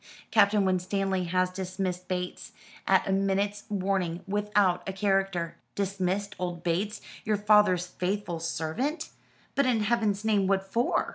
Captain Winstanley has dismissed Bates, at a minute's warning, without a character." "Dismissed old Bates, your father's faithful servant! But in Heaven's name what for?"